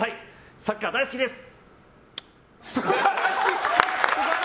サッカー大好きです！